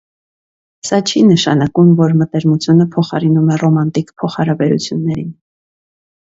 Սա չի նշանակում, որ մտերմությունը փոխարինում է ռոմանտիկ փոխհարաբերություններին։